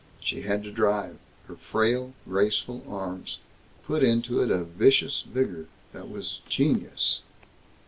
She had to drive. Her frail graceful arms put into it a vicious vigor that was genius.